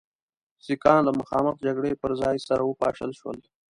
سیکهان له مخامخ جګړې پر ځای سره وپاشل شول.